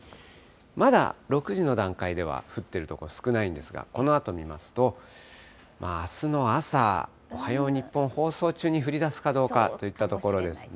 まだ６時の段階では降っている所少ないんですが、このあと見ますと、あすの朝、おはよう日本放送中に、降りだすかどうかといったところですね。